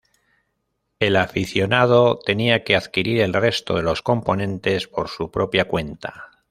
El aficionado tenía que adquirir el resto de los componentes por su propia cuenta.